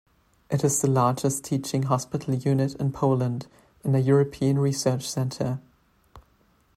It is the largest teaching hospital unit in Poland and a European research center.